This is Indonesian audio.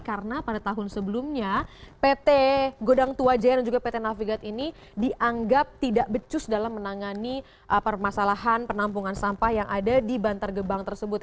karena pada tahun sebelumnya pt godang tuwajan dan juga pt navigat ini dianggap tidak becus dalam menangani permasalahan penampungan sampah yang ada di bantar gebang tersebut